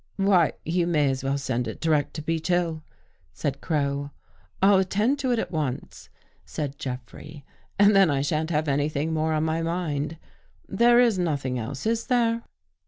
"" Why, you may as well send it direct to Beech Hill," said Crow. " I'll attend to it at once," said Jeffrey, " and then I sha'n't have anything more on my mind. There is nothing else, is there?"